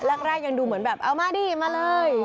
แรกยังดูเหมือนแบบเอามาดิมาเลย